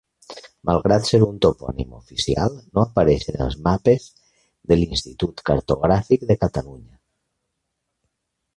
Malgrat ser un topònim oficial, no apareix en els mapes de l'Institut Cartogràfic de Catalunya.